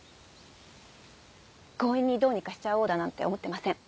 強引にどうにかしちゃおうだなんて思ってません。